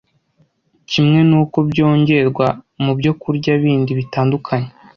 kimwe n’uko byongerwa mubyo kurya bindi bitandukanye